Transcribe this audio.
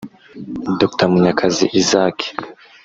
Dr Munyakazi Isaac